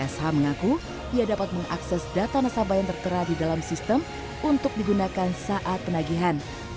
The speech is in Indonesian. sh mengaku ia dapat mengakses data nasabah yang tertera di dalam sistem untuk digunakan saat penagihan